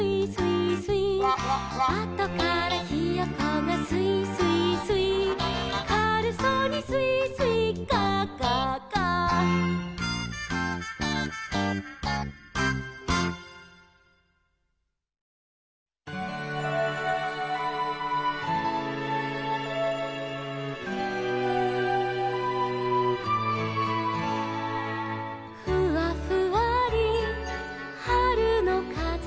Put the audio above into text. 「あとからひよこがすいすいすい」「かるそうにすいすいガァガァガァ」「ふわふわりはるのかぜ」